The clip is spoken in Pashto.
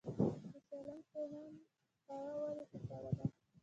د سالنګ تونل هوا ولې ککړه ده؟